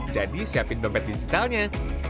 jadi siapin dompet digitalnya